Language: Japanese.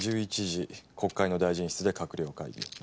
１１時国会の大臣室で閣僚会議。